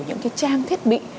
những cái trang thiết bị